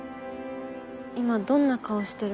今どんな顔してる？